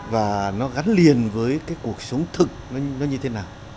và nó gắn liền với cái cuộc sống thực nó như thế nào